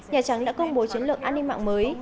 nhà trắng đã công bố chiến lược an ninh mạng mới